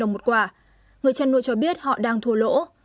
người chăn nuôi cho biết họ đang thua lỗ